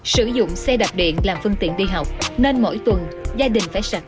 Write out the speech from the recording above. sử dụng xe đạp điện làm phương tiện đi học nên mỗi tuần gia đình phải sạch